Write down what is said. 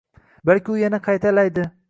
balki u yana qaytalaydi.